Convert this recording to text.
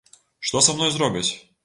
Што са мной зробяць?